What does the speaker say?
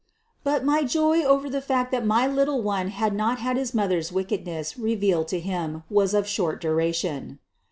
But my joy over the fact that my little one had not had his mother's wickedness revealed to him was of short duration.